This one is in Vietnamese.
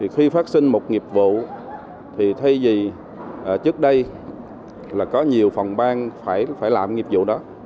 khi phát sinh một nghiệp vụ thì thay vì trước đây là có nhiều phòng bang phải làm nghiệp vụ đó